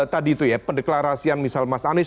tadi itu ya pendeklarasian misal mas anies